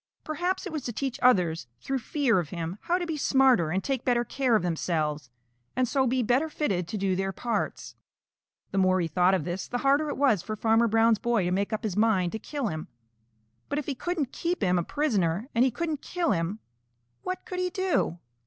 Perhaps it was to teach others through fear of him how to be smarter and take better care of themselves and so be better fitted to do their parts. The more he thought of this, the harder it was for Farmer Brown's boy to make up his mind to kill him. But if he couldn't keep him a prisoner and he couldn't kill him, what could he do?